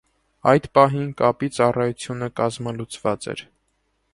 Այդ պահին կապի ծառայությունը կազմալուծված էր։